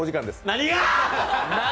何が！？